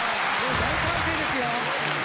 大歓声ですよ。